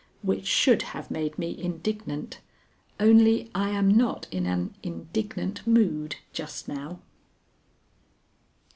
Which should have made me indignant, only I am not in an indignant mood just now.